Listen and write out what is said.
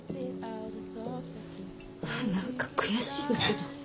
何か悔しいけど。